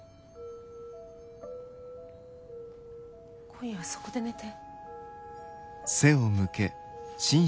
今夜はそこで寝て。